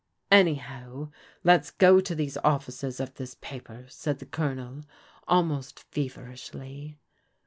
"Anyhow, let's go to these offices of this paper," said the Colonel almost feverishly.